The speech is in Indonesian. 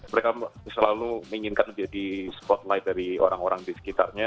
mereka selalu menginginkan menjadi spotlight dari orang orang di sekitarnya